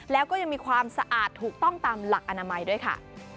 แล้วก็ยังมีความสะอาดถูกต้องตามหลักอนามัยด้วยค่ะ